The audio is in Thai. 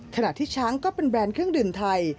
ขณะที่ช้างก็เป็นแบรนด์เครื่องดื่มไทย